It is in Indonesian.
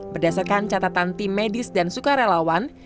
berdasarkan catatan tim medis dan sukarelawan